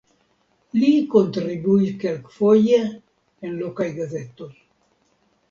Li kontribuis kelkfoje en lokaj gazetoj.